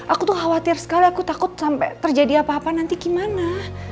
aku tuh khawatir sekali aku takut sampai terjadi apa apa nanti gimana